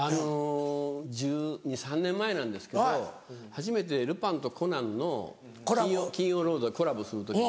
１２１３年前なんですけど初めて『ルパン』と『コナン』の『金曜ロード』でコラボする時に。